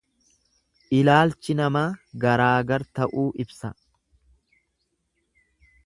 Ilaalchi namaa garaagar ta'uu ibsa.